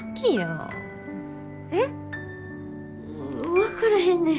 分からへんねん。